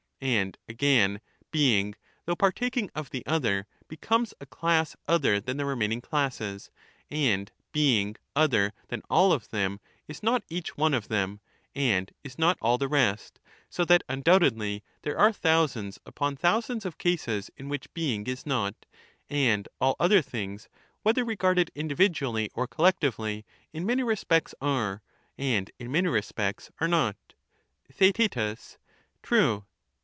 And again, being, through partaking of the other, becomes a class other than the remaining classes, and being other than all of them, is not each one of them, and is not all the rest, so that undoubtedly there are thousands upon thousands of cases in which being is not, and all other things, whether regarded individually or collectively, in many respects are, and in many respects are not. Theaet. True.